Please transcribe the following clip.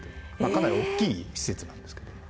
かなり大きい施設なんですけども。